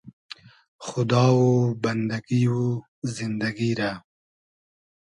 خودا و بئندئگی و زیندئگی رۂ